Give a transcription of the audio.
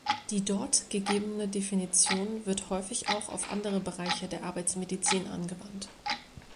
Die dort gegebene Definition wird häufig auch auf andere Bereiche der Arbeitsmedizin angewandt.